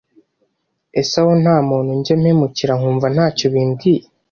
ese aho nta muntu njya mpemukira kumva ntacyo bimbwiye